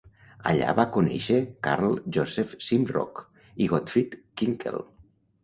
Allà va conèixer Karl Joseph Simrock i Gottfried Kinkel.